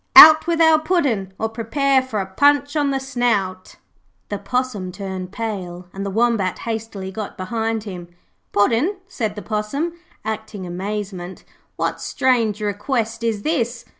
'Out with our Puddin', or prepare for a punch on the snout.' The Possum turned pale and the Wombat hastily got behind him. 'Puddin',' said the Possum, acting amazement. 'What strange request is this?'